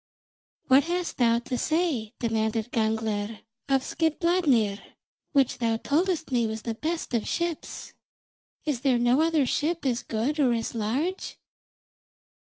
44. "What hast thou to say," demanded Gangler, "of Skidbladnir, which thou toldst me was the best of ships? Is there no other ship as good or as large?"